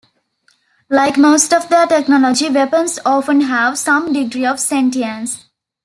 Like most of their technology, weapons often have some degree of sentience.